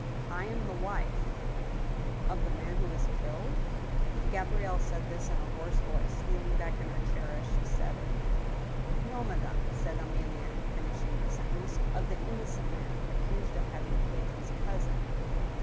" I am the wife— "" Of the man who was killed ?" Gabrielle said this in a hoarse voice, leaning back in her chdr as she said it. f* No, madame," said Emilienne, finishing her sentence ;" of the innocent man accused of having killed his cousin."